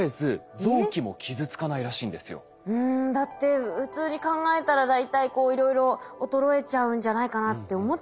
だって普通に考えたら大体こういろいろ衰えちゃうんじゃないかなって思っちゃいますもんね。